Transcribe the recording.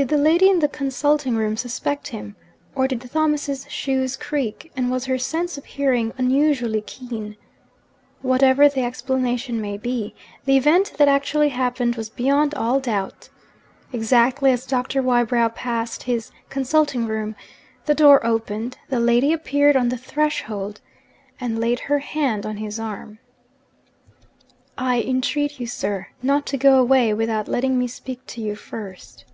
Did the lady in the consulting room suspect him? or did Thomas's shoes creak, and was her sense of hearing unusually keen? Whatever the explanation may be, the event that actually happened was beyond all doubt. Exactly as Doctor Wybrow passed his consulting room, the door opened the lady appeared on the threshold and laid her hand on his arm. 'I entreat you, sir, not to go away without letting me speak to you first.'